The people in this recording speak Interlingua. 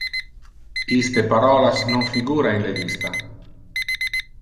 Iste parolas non figura in le lista.